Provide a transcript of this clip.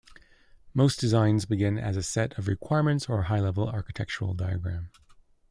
Most designs begin as a set of requirements or a high-level architectural diagram.